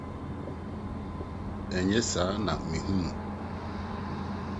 Ɛnyɛ saa na mehu no